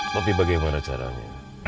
tapi bagaimana caranya